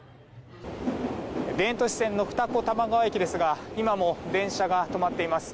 田園都市線の二子玉川駅ですが今も、電車が止まっています。